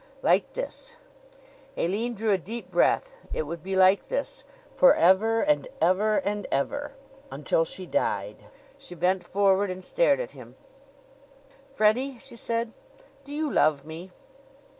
Like this! Aline drew a deep breath. It would be like this forever and ever and ever until she died. She bent forward and stared at him. "Freddie," she said, "do you love me?"